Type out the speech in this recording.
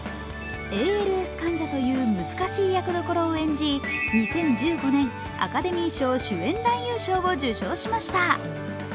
ＡＬＳ患者という難しい役どころを演じ２０１５年、アカデミー賞主演男優賞を受賞しました。